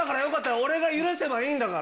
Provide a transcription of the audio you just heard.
俺が許せばいいんだから。